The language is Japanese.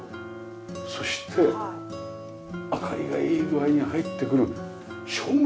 そして明かりがいい具合に入ってくる照明。